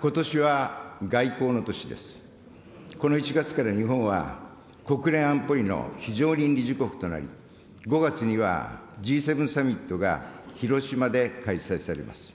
この１月から日本は、国連安保理の非常任理事国となり、５月にはＧ７サミットが広島で開催されます。